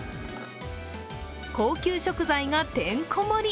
高級食材が、てんこ盛り！